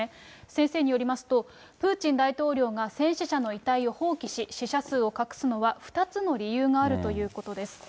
先生によりますと、プーチン大統領が戦死者の遺体を放棄し、死者数を隠すのは２つの理由があるということです。